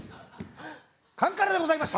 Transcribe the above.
カンカラでございました。